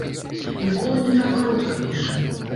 Мікола не так каротка піша.